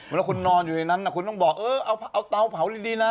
เวลาคุณนอนอยู่ในนั้นคุณต้องบอกเออเอาเตาเผาดีนะ